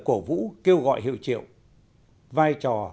cổ vũ kêu gọi hiệu triệu vai trò